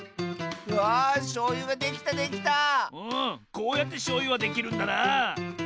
こうやってしょうゆはできるんだなあ。